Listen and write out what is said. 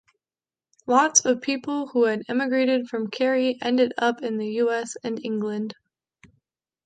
Lots of people who had emigrated from Kerry, ended up in the US and England.